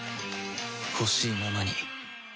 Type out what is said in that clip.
ほしいままに